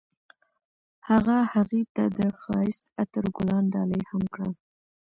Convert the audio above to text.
هغه هغې ته د ښایسته عطر ګلان ډالۍ هم کړل.